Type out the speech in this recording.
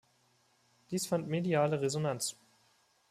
Dies fand mediale Resonanz.